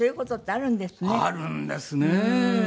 あるんですね。